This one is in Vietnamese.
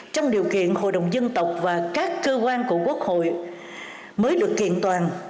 trong điều kiện hội đồng dân tộc và các cơ quan của quốc hội mới được kiện toàn